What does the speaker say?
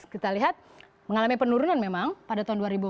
kita lihat mengalami penurunan memang pada tahun dua ribu enam belas